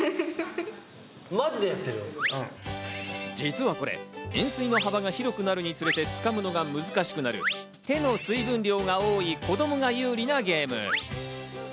実はこれ、円錐の幅が広くなるにつれて、つかむのが難しくなる、手の水分量が多い、子供が有利なゲーム。